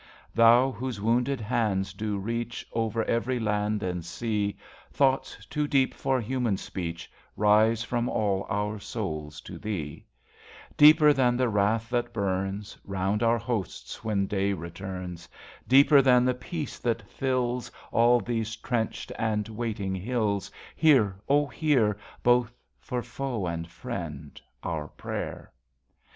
Thou whose wounded Hands do reach Over every land and sea, 77 INTERCESSION Thoughts too deep for human speech Rise from all our souls to Thee ; Deeper than the wrath that burns Round our hosts when day returns; Deeper than the peace that fills All these trenched and waiting hills. Hear, O hear ! Both for foe and friend, our prayer.